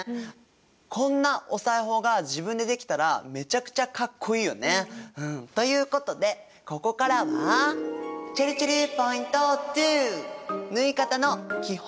こんなお裁縫が自分でできたらめちゃくちゃかっこいいよね。ということでここからはちぇるちぇるポイント２。